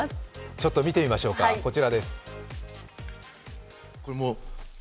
ちょっと見てみましょうか、こちらです。